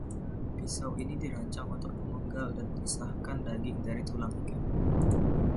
Pisau ini dirancang untuk memenggal dan memisahkan daging dari tulang ikan.